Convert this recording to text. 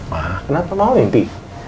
ma kenapa mau mimpi